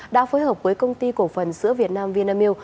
đã phối hợp với công ty cổ phần sữa việt nam vietnam milk